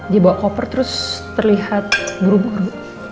dia bawa koper terus terlihat buru buru